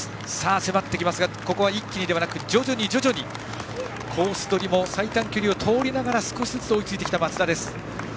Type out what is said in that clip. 迫っていますがここは一気ではなく徐々にコースどりも最短距離を通りながら少しずつ追いついてきた松田。